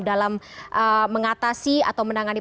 dalam mengatasi atau menangani